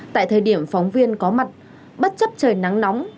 tại thời điểm phóng viên có mặt bất chấp trời nắng nóng